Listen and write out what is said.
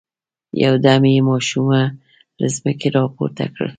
يودم يې ماشومه له ځمکې را پورته کړل.